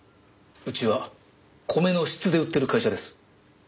うちは米の質で売ってる会社です。